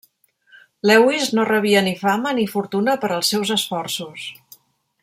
Lewis no rebia ni fama ni fortuna per als seus esforços.